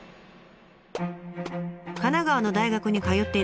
神奈川の大学に通っていた学生時代。